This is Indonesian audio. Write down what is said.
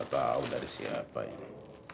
tahu dari siapa ini